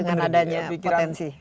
dengan adanya potensi